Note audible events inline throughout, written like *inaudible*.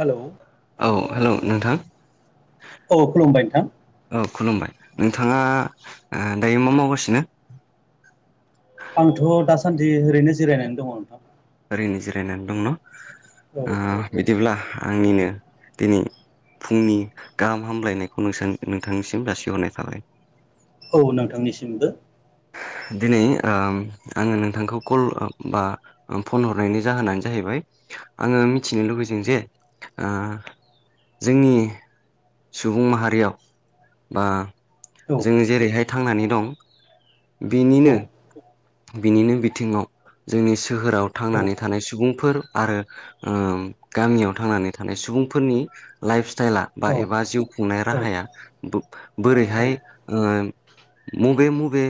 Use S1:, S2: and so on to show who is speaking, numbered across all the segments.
S1: Hello
S2: औ hello नोंथां?
S1: औ खुलुमबाय नोंथां।
S2: औ खुलुमबाय नोंथाङा ओ दायो मा मावगासिनो?
S1: आंथ' दासान्दि ओरैनो जिरायनानै दङ नोंथां।
S2: ओरैनो जिरायनानै दं न
S1: औ
S2: ओ
S1: औ औ
S2: बिदिब्ला आंनिनो दिनै फुंनि गाहाम हामलायनायखौ नोंसानि नोंथांनिसिम जासिहरनाय थाबाय।
S1: औ नोंथांनिसिमबो
S2: दिनै ओम आङो नोंथांखौ कल बा फन हरनायनि जाहोनानो जाहैबाय आङो मिथिनो लुुबैदों जे ओ जोंनि सुबुं माहारियाव बा
S1: औ
S2: जोङो जेरैहाय थांनानै दं
S1: औ
S2: बिनिनो बिनिनो बिथिङाव जोंनि सोहोराव
S1: औ
S2: थांनानै थानाय सुबुंफोर आरो ओम गामियाव थांनानै थानाय सुबुंफोरनि लाइफ स्टाइला बा
S1: औ
S2: बा जिउ खुंनाय राहाया
S1: औ
S2: बोरैहाय ओ। मबे मबे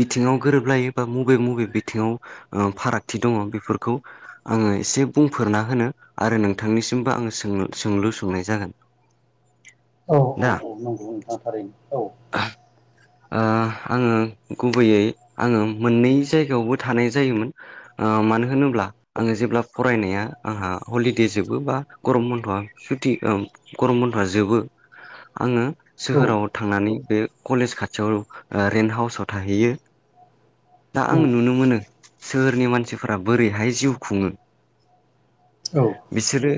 S2: बिथिङाव गोरोबलायो बा बबे मबे बिथिङाव फारागथि दङ। बेफोरखौ आङो एसे बुंफोरना होनो आरो नोंथांनिसिमबो आङो सोंलु सोंलु सोंनाय। बे जागोन।
S1: औ-
S2: दा
S1: औ- औ- नंगौ नोंथाङा थारैनो औ।
S2: ओ आङो गुबैयै आङो मोननै जायगायावबो थानाय जायोमोन। ओ मानो होनोब्ला आङो जेब्ला फरायनाया आंहा हलिदे जोबो बा गरम बन्द' आ। सुथि ओ गरम बन्दफ्रा जोबो आङो
S1: औ
S2: सोहोराव थांनानै बे। कलेज खाथियाव ओ रेन्ट हाउसाव थाहैयो। दा आं
S1: नंगौ
S2: नुनो मोनो सोहोरनि मानसिफोरा बोरैहाय जिउ खुङो।
S1: औ
S2: बिसोरो।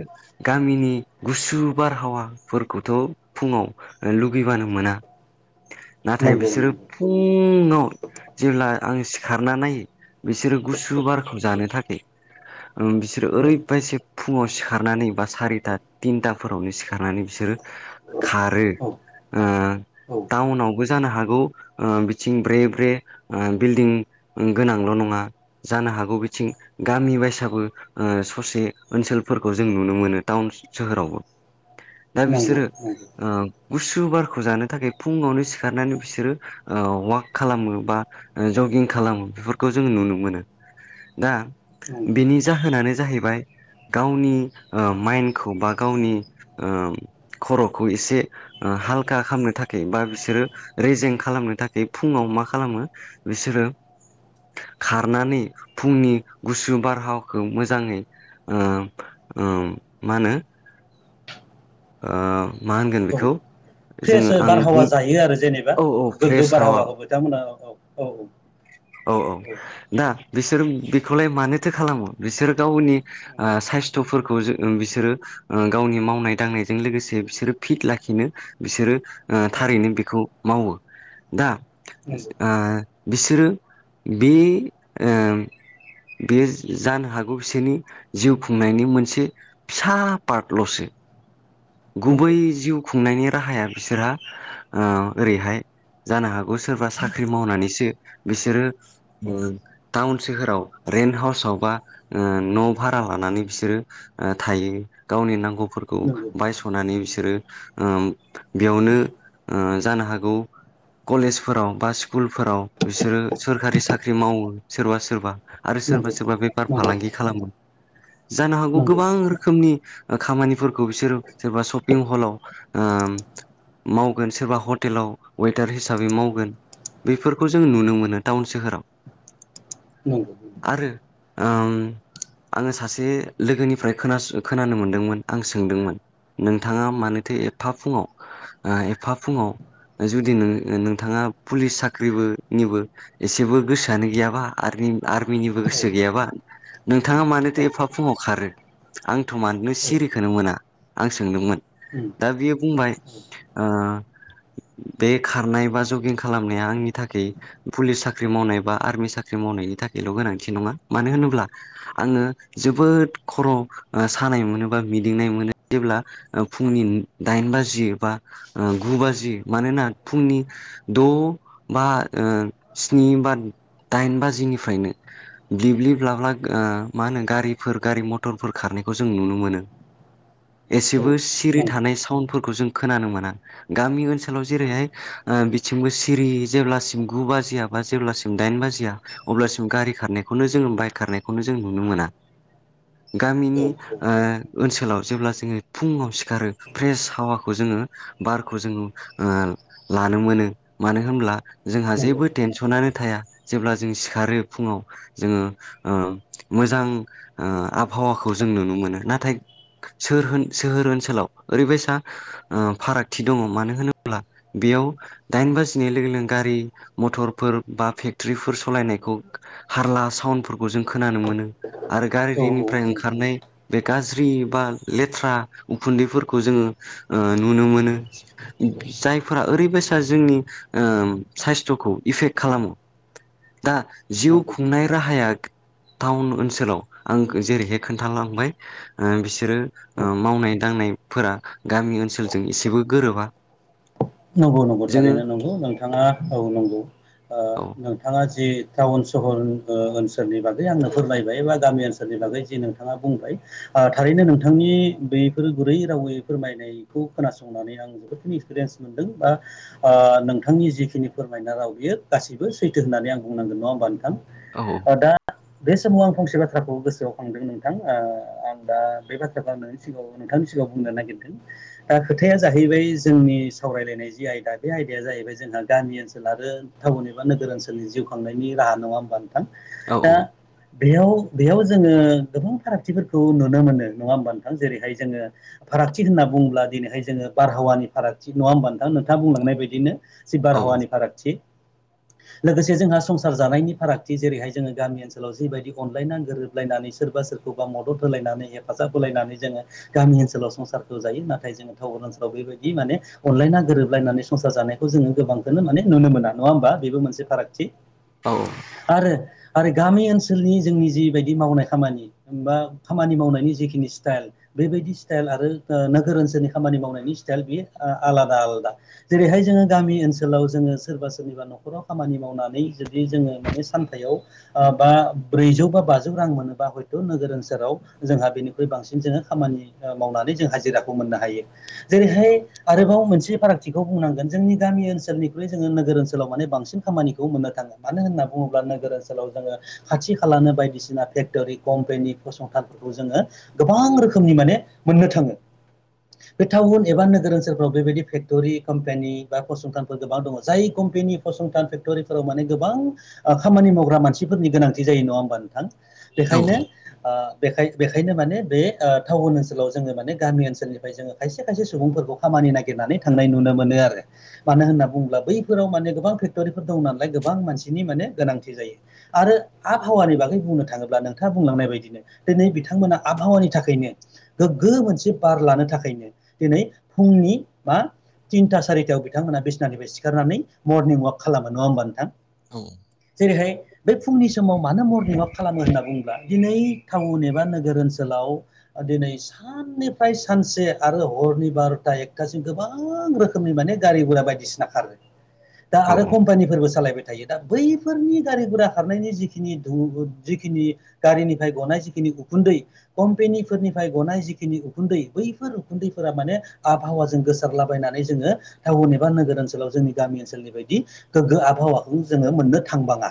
S2: गामिनि गुसु बारहावाफोरखौथ' फुङाव लुगैबानो मोना नाथाय
S1: नंगौ
S2: बिसोरो
S1: नंगौ
S2: फुङाव जेब्ला आं सिखारना नायो बिसोरो गुसु बारखौ जानो थाखाय बिसोरो
S1: औ
S2: ओरैबायसि फुङाव सिखारनानै बा सारिथा थिनथाफोरावनो सिखारनानै बिसोरो खारो
S1: औ
S2: ओ
S1: औ
S2: टाउनाव। जानो हागौ ओ बिथिं ब्रे ब्रे ओ बिल्डिं गोनांल' नङा जानो हागौ बिथिं गामि बायसाबो ओ ससे ओनसोलफोरखौ जों नुनो मोनो टाउन सोहोरावबो दा
S1: नंगौ
S2: बिसोरो
S1: नंगौ
S2: ओ गुसु बार जानो थाखाय फुङावनो सिखारनानै बिसोरो ओ वाक खालामो बा ओ जगिं खालामो बेफोरखौ जोङो नुनो मोनो दा
S1: नंगौ
S2: बेनि जाहोनानो जाहैबाय बाय गावनि ओ माइन्डखौ बा गावनि ओ खर'खौ एसे ओ हालखा खालामनो थाखाय बा बिसोरो रेजें खालामनो थाखाय फुङाव मा खालामो बिसोरो खारनानै फुंनि गुसु बारहावखौ मोजाङै ओ ओ मा होनो। ओ मा होनगोन
S1: औ
S2: बेखौ
S1: फ्रेस
S2: जोङो आं
S1: बारहावा
S2: बुं
S1: जाहायो आरो जेनेबा
S2: औ औ
S1: गोग्गो
S2: फ्रेस हावा
S1: बारहावाखौ बिथांमोना औ -औ- औ-
S2: औ- औ- दा बिसोर बेखौलाय मानोथो खालामो बिसोरो गावनि ओ
S1: नंगौ
S2: साइस्थ'फोरखौ जो बिसोरो ओ गावनि मावनाय दांनायजों लोगोसे बिसोरो फिट लाखिनो बिसोरो ओ
S1: नंगौ
S2: थारैनो बेखौ मावो दा
S1: नंगौ
S2: ओ बिसोरो बे ओम बेयो जानो हागौ बिसोरनि जिउ खुंनायनि मोनसे फिसा पार्टल'सो गुबै
S1: नंगौ
S2: जिउ खुंनायनि राहाया बिसोरहा ओ ओरैहाय जानो हागौ सोरबा साख्रि मावनानैसो बिसोरो ओ टाउन सोहोराव रेन्ट हाउसाव बा ओ न' भारा लानानै बिसोरो ओ थायो गावनि नांगौ फोरखौ
S1: नंगौ
S2: बायस'नानै बिसोरो ओ बेयावनो ओ जानो हागौ कलेजफोराव बा स्कुलफोराव बिसोरो सोरखारि साख्रि मावो सोरबा सोरबा आरो
S1: नंगौ
S2: सोरबा सोरबा बेफार फालांगि खालामो। जानो हागौ
S1: नंगौ
S2: गोबां रोखोमनि ओ खामानिफोरखौ बिसोरो सोरबा शपिं हलाव ओम मावगोन सोरबा हटेलाव वेटार हिसाबै मावगोन। बेफोरखौ जों नुनो मोनो टाउन सोहोराव।
S1: नंगौ
S2: आं सासे लोगोनिफ्राय खोन खोनानो मोनदोंमोन आं सोंदोंमोन नोंथाङा मानोथो एफा फुङाव ओ एफा फुङाव जुदि नोंथाङा पुलिस साख्रिबोनिबो एसेबो गोसोआनो गैयाबा आरो आर्मिनिबो
S1: औ
S2: गोसो गैयाबा नोंथाङा
S1: औ
S2: मानोथो एफा फुङाव खारो? आंथ' मानो
S1: उम
S2: सिरिखौनो मोना आं सोंदोंमोन दा बियो बुंबाय ओ बे खारनाय बा जगिं खालामनाया आंनि थाखाय पुलिस साख्रि मावनाय बा आर्मि साख्रि मा मावनायनि थाखायल' गोनांथि नङा मानो होनोबा आङो जोबोद खर' ओ सानाय मोनोबा मिदिंनाय मोनो जेब्ला फुंनि दाइन बाजि बा ओ गु बाजि मानोना फुंनि द' बा ओ स्नि बा दाइन बाजिनिफ्रायनो ब्लिब्लिब लाब्ला ओ मा होनो गारिफोर गारि मटरफोर खार बनायखौ जों नुनो मोनो
S1: औ
S2: एसेबो सिरि
S1: नंगौ
S2: थानाय साउनफोर खौ जों खोनानो मोना गामि ओनसोलाव जेरैहाय
S1: नंगौ
S2: ओ बिथिंबो सिरि जेब्लासिम गु बा जिया बा जेब्लासिम दाइन बाबिया अब्लासिम गारि खारनायखौनो जोङो बाइक खारनायखौनो जों नुनो मोना।
S1: औ
S2: गामिनि
S1: औ
S2: ओ ओनसोलाव जेब्ला जोङो फुङाव सिखारो फ्रेस हावाखौ जोङो बारखौ जोङो ओ ला नो मोनो मानो होनब्ला जोंहा
S1: नंगौ
S2: जेबो टेन्सनानो थाया जेब्ला जों सिखारो फुङाव जोङो ओ मोजां ओ आब हावाखौ जों नुनो मोनो नाथाय सारहोन-सोहोर ओनसोलाव ओरैबायसा ओ फारागथि दङ मानो होनोब्ला बेयाव दाइन बाजिनाय लोगो लोगोनो गारि मटरफोर बा फेक्टरिफोर सालायनायखौ हा रला साउडफोरखौ जों खोनानो मोनो आरो
S1: औ नंगौ
S2: गारिनिफ्राय ओंखारनाय बे गाज्रि बा लेथ्रा उखुन्दैफोरखौ जोङो ओ नुनो मोनो जायफोरा ओरैबायदि सा जोंनि ओम साइसथ'खौ इफेक्ट खालामो। दा जिउ
S1: नंगौ औ
S2: खुंनाय राहाया टाउन ओनसोलाव आं जेरैहाय खोन्थालांबाय ओ बिसोरो ओ मावनाय दांनायफोरा गामि ओनसोलजों एसेबो गोरोबा।
S1: नंगौ नंगौ
S2: जोङो
S1: थारैनो नंगौ नोंथाङा औ नंगौ ओ
S2: औ
S1: नोंथाङा जि टाउन सहर ओ ओनसोलनि बागै आंनो फोरमायबाय बा गामि ओनसोलनि बागै जि नोंथाङा बुंबाय ओ थारैनो नोंथांनि बैफोर गुरै रावै फोरमायनायखौ खोनासंनानै आं जोबोदखिनो एक्सपिरियेन्स मोनदों बा ओ नोंथांनि जिखिनि फोरमायना राव बियो गासिबो सैथो होननानै आं बुंनांगोन नङा होमबा नोंथां?
S2: औ
S1: ओ दा बे समाव आं फंसे बाथ्राखौ गोसोआव खांदों नोंथां ओ आं दा बे बाथ्राखौ आं नोंनि सिगाङाव नों नथांनि सिगाङाव बुंनो नागिरदों दा खोथाया जाहैबाय जोंनि सावरायलायनाय जि आयदा बे आयदाया जाहैबाय जोंहा गामि ओनसोल आरो टाउन एबा नोगोर ओनसोलनि जिउ खांनायनि रा हा नङा होमबा नोंथां?
S2: औ
S1: दा बेयाव बेयाव जोङो गोबां फारागथिफोरखौ नुनो मोनो नङा होमबा नोंथां? जेरैहाय जोङो फारागथि होनना बुङोब्ला दिनैहाय जोङो बारहावानिाराग थि नङा होमबा नोंथां? नोंथाङा बुंलांनाय बायदिनो जि
S2: औ
S1: बारहावानि फारागथि।
S2: *inaudible*
S1: लोगोसे जोंहा संसार जानायनि फारागथि जेरैहाय जोङो गामि ओनसोलाव जिबायदि अनलायना गोरोबलायनानै सोरबा सोरखौबा मदद होलायनानै हेफाजाब होलायनानै जोङो गामि ओनसोलाव संसारखौ जायो नाथाय जों टाउन ओनसोलाव बेबायदि माने अनलायना गोरोबलायनानै संसार जानायखौ जोङो गोबांखौनो माने नुनो मोना नङा होमबा बेबो मोनसे फारागथि
S2: औ
S1: आरो आरो गामि ओनसोलनि जोंनि जिबायदि मावनाय खामानि बा खामानि मावनायनि जिखिनि स्टाइल बेबायदि स्टाइल आरो नोगोर ओनसोलनि खामानि मावनायनि स्टाइल बियो आलादा आलादा जेरैहाय जोंङो गामि ओनसोलाव जोङो सोरबा सोरनिबा न'खराव खामानि मावनानै जुदि जोंङो माने सानथायाव बा ब्रैजौ बा बाजौ रां मोनोबा हयथ नोगोर ओनसोलाव जोंहा बेनिख्रुइ बांसिन जोंङो खामानि मावनानै जों हाजिराखौ मोननो हायो जेरैहाय गोबाव मोनसे फारागथिखौ बुंनांगोन जोंनि गामि ओनसोलनिख्रुइ जोंङो नोगोर ओनसोलाव माने बांसिन खामानिखौ मोननो थांगोन मानो होनना बुंङोब्ला नोगोर ओनसोलाव जोंङो खाथि खालाानो बायदिसिना फेक्टरि कम्पेनि फसंथान जोंङो गोबां रोखोमनि माने मोननो थांङो बे टाउन एबा नोगोर फ्राव बेबायदि फेक्टरि कम्पानि बा फसंथानफोर गोबां दङ जाय कम्पेनि फसंथान फेक्ट'रिफोराव माने गोबां ओ खामानि मावग्रा मानसिफोरनि गोनांथि जायो नङा होमबा नोंथां
S2: औ
S1: बेखायनो ओ बेखाय बेखायनो माने बे टाउन ओनसोलाव जोङो माने गामि ओनसोलनिफ्राय जोङो खायसे खायसे सुबुंफोरखौ खामानि नागिरनानै थांनाय नुनो मोनो आरो मानो होनना बुङोब्ला बैफोराव माने गोबां फेक्ट'रिफोर दं नालाय गोबां मानसिनि माने गोनांथि जायो आरो आबहावानि बागै बुंनो थांङोब्ला नोंथाङा बुंलांनाय बायदिनो दिनै बिथांमोना आबहावानि थाखायनो गोग्गो मोनसे बार लानो थाखायनो दिनै फुंनि बा थिनथा सारिथायाव बिथांमोना बिसनानिफ्राय सिखारनानै मर्निं वाक खालामो नङा होमबा नोंथां जेरैहाय बे फुंनि समाव मानो मरनिं वाक खालामो होनना बुंब्ला दिनै टाउन एबा नोगोर ओनसोलाव दिनै साननिफ्राय सानसे आरो ह हरनि बारथा एकथााजों गोबां रोखोमनि माने गारि गरा बायदिसिना खारो दा आरो कम्पानिफोरबो सालायबाय थायो दा बैफोरनि गारि गुरा खारनायनि जिखनि जिखिनि गारिनिफ्राय गनाय जिखिनि उखुन्द दै कम्पेनि फोरनिफ्राय गनाय जिखिनि उखुन्दै बैफोर उखुन्दैफोरा माने आबहावाजों गोसारला बबायनानै जोङो टाउन एा नोगोर ओनसोलाव जोंनि गामि ओनसोलनि बायदि गोग्गो आब हावाखौ जोंङो मोननो थांबाङा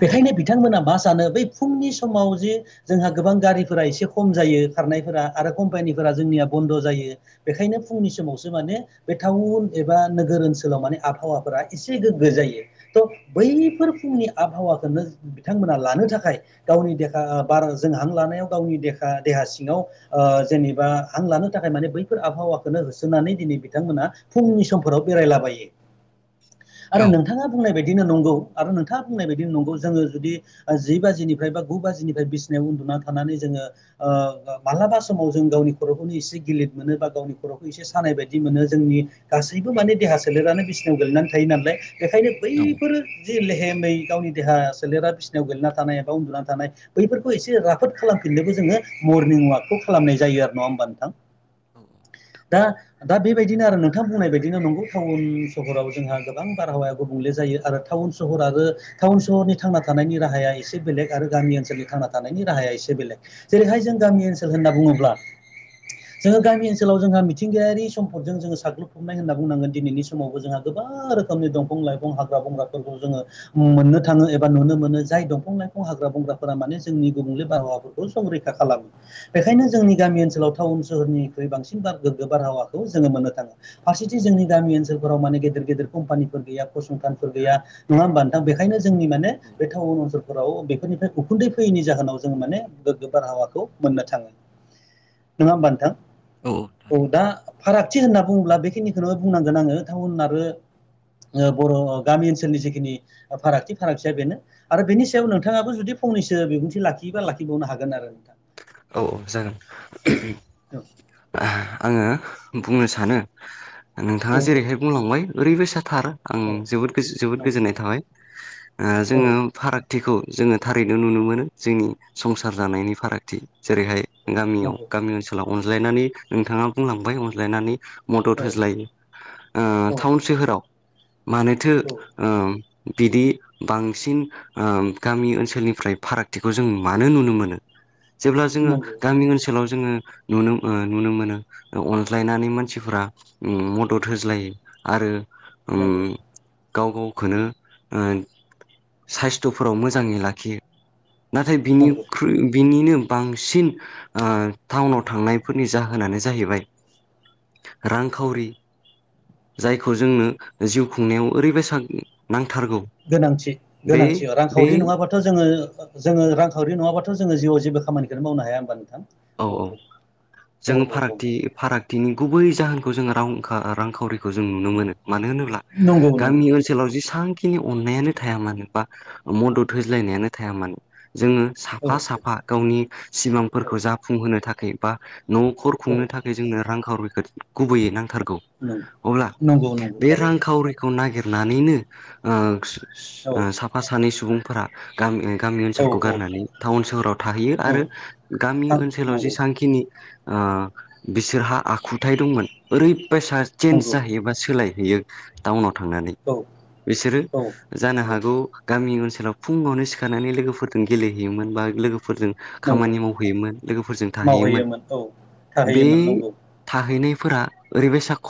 S1: बेखायनो बिथांमोना मा सानो बै फुंनि समाव जे जोंहा गोबां गारिफोरा एसे खम जायो खारनायफोरा आरो कम्पानिफोरा जोंनिया बन्द जायो बेखायनो फुंनि समावसो माने बे टाउन एबा नोगोर ओनसोलाव माने आबहावाफोरा एसे गोगो जायो थ बैफोर फुंनि आबहावाखौनो बिथांमोना लानो थाखाय गावनि देखा ओ बार जों हां लानायाव गावनि देहा देहा सिङाव ओ जेनेबा हां लानो थाखाय माने बै बेफोर आबहावाखौनो होसोनानै दिनै बिथांमोना फुंनि समफोराव बेरायलाबायो आरो नोंथाङा बुंनाय बायदिनो नंगौ आरो नोंथाङा बुंनाय बायदिनो नंगौ जोङो जुदि जि बाजिनिफ्राय बा गु बाजिनिफ्राय बिसिनायाव न्दुना थानानै जोङो ओ मालाबा समाव जों गावनि ख'खौनो एसे गेलिर मोनो बा गावनि खर'खौ एसे सानाय बायदि मोनो जोंनि गासैबो माने देहा सोलेरानो बिसिनिाव गेलेनानै थायो नालाय बेखायनो बैफोरो जि लेहेमै गावनि देहा सोलेरा बिसिनायाव गोेलेना थानाय एबा उन्दुनानै थानाय बैफोरखौ एसे राफोद खालामफिननोबो जोङो मर्निं ववाकखौ खालामनाय जायो आरो नङा होमबा नोंथां दा दा बेबायदिनो आरो नोंथां बुंनाय बायदिनो नंगौ टाउन सहराव जोंहा गोबां बारहावाया गुबुंले जायो आरो थाउ टाउन सहर आरो टाउन सहरनि थांना थानायनि राहाया एसे बेलेग आरो गामि ओनसोलनि थांना थानायनि राहाया एसे बेलेग जेरैहाय जों गामि ओनसोल होनना बुङोब्ला जोङो गामि ओनसोलाव जोंहा मिथिंगायारि सम्दजों जोङो साग्लोबफबनाय होनना बुंनांगोन दिनैनि समावबो जोंहा गोबां रोखोमनि दंफां लाइफां हाग्रा बंग्राफोरखौ जोङो मोननो थाङो एबा नुनो मोनो जाय दंफां लाइफां हाग्रा बंग्राफोर माने जोंनि गुबुंले बारहावाफोरखौ संरैखा खालामो बेखायनो जोंनि गामि ओनसोलाव टाउन सोहोरनि बांसिन गोग्गो बारहावाखौ जोङो मोननो थाङो फारसेथिं जोंनि गामि ओनसोलफोरावाने गेदेर गेदेर कम्पानि गैया फसंथानफोर गैया नङा होमबा नोंथां बेखायनो जोंनि माने बे टाउन ओनसोलफोराव बे बेफोरनिफ्राय उखुन्दै फैयैनि जाहोनाव जोङो माने गोग्गो बारहावाखौ मोननो थाङो नङा होमबा नोंथां औ दा फारागथि होनना बुङोब्ला बेखिनिखौनो बुंनांगोन आङो टाउन आरो ओ बर' गामि ओनसोलनि जिखिनि फारागथि फारागथिया बेनो आरो बेनि सायाव नोंथाङाबो जुदि फंनैसो बिबुंथि लाखियोबा लाखिबावनो हागोन आरो नोंथां
S2: औ जागोन *inaudible* आङो बुंनो सानो
S1: औ
S2: नोंथाङा जेरैहाय बुंलांबाय ओरैबो सा थार आं
S1: औ
S2: जोबोद गोज जोबोद
S1: नंगौ
S2: गोजोननाय थाबाय ओ
S1: औ
S2: जोङो फारागथिखौ जोङो थारैनो नुनो मोनो जोंनि संसार जानायनि फारागथि जेरैहाय गामियाव
S1: नंगौ
S2: गामि ओनसोलाव अनज्लायनानै नोंथाङा बुंलांबाय अनज्लायनानै मदद
S1: औ
S2: होज्लायो ओ
S1: औ
S2: टाउन सोहोराव मानोथो
S1: औ
S2: ओम बिदि बांसिन ओम गामि ओनसोलनिफ्राय फारागथिखौ जों मानो नुनो मोनो जेब्ला जोङो
S1: नंगौ
S2: गामि ओनसो लाव जोङो नुनो ओ नुनो मोनो अनज्लायनानै मानसिफोरा मदद होज्लायो आरो
S1: नंगौ
S2: उम गाव गावखौनो ओ साइस्थ'फोराव मोजाङै लाखियो नाथाय
S1: नंगौ
S2: बिनिख्रुइ बिनिनो बांसिन ओ टाउनाव थांनायफोरनि जाहोनानो जाहैबाय रांखावरि जायखौ जोंनो जिउ खुंनायाव ओरैबायसा नां
S1: गोनांथि गोनांथि
S2: बे
S1: रांखावरि नङाबाथ' जोङो जोङो रांखावरि नङाब्लााथ' जोङो जिउआव जेबो खामानिखौनो मावनो हाया होनबा नोंथां
S2: औ औ
S1: औ
S2: जोङो
S1: औ
S2: फारागथि फारागथिनि गुबै जाहोनखौ जोङो रां रांखावरिखौ जों नुनो मोनो। मानो होनोब्ला
S1: नंगौ नंगौ
S2: गामि ओनसोलाव जेसां खिनि अननायानो थाया मानो बा मदद होज्लायनायानो थाया मानो जोङो
S1: औ
S2: साफा साफा गावनि
S1: औ
S2: सिमांफोरखौ जाफुंहोनो थाखाय बा न'खर
S1: औ
S2: खुंनो थाखाय जोंनो रांखावरिखौ गुबैयै नांथारगोन
S1: नंगौ
S2: औ अब्ला
S1: नंगौ नंगौ
S2: बे
S1: थारैनो
S2: रांखावरिखौ नागिर नानैनो ओ स-स
S1: औ
S2: ओ साफा सानै सुबुंफोरा गामि ओ गामि
S1: औ
S2: ओनसोलखौ
S1: औ
S2: गारनानै टाउन सोहोराव थाहैयो
S1: औ
S2: आरो गामि
S1: थां
S2: ओनसोलाव
S1: नंगौ
S2: जेसांखिनि ओ बिसोरहा आखुथाय दंमोन ओरैबायसा चेन्ज
S1: नंगौ
S2: जाहैयो बा सोलायो यो टाउनाव थांनानै
S1: औ
S2: बिसोरो
S1: औ
S2: जानो
S1: नंगौ
S2: हागौ गामि ओनसो लाव फुङावनो सिखारनानै लोगोफोरजों गेलेहैयोमोन बा लोगोफोरजों
S1: नंगौ
S2: खामानि मावहैयोमोन लोगोफोरजों थाहैयोमोन
S1: मावहैयोमोन औ
S2: बे
S1: थाहैयोमोन नंगौ
S2: थाहैनायफोरा ओरैबायसा ख